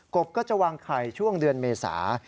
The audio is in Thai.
บก็จะวางไข่ช่วงเดือนเมษา